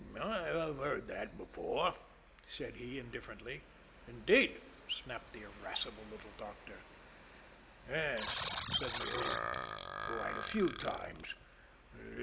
"I've heard that before," said he indifferently. "Indeed!" snapped the irascible little doctor. "Yes," said McGrew, "quite a few times.